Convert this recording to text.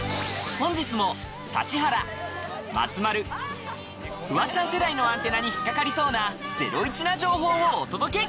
本日も指原、松丸、フワちゃん世代のアンテナに引っ掛かりそうなゼロイチな情報をお届け！